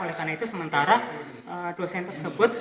oleh karena itu sementara dosen tersebut